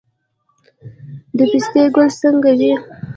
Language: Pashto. د پستې ګل څنګه وي؟